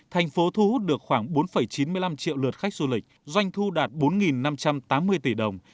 thành phố thu hút được khoảng bốn chín mươi năm triệu lượt khách du lịch doanh thu đạt bốn năm trăm tám mươi tỷ đồng